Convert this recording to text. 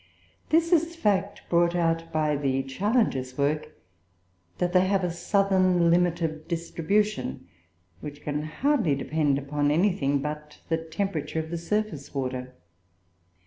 This is the fact brought out by the Challenger's work, that they have a southern limit of distribution, which can hardly depend upon anything but the temperature of the surface water.